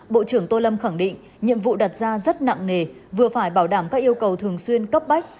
bộ trưởng tô lâm khẳng định nhiệm vụ đặt ra rất nặng nề vừa phải bảo đảm các yêu cầu thường xuyên cấp bách